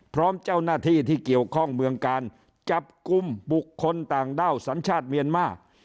พร้อมเจ้าหน้าที่ที่เกี่ยวข้องเมืองกาลจับกลุ่มบุคคลต่างด้าวสัญชาติเมียนมาร์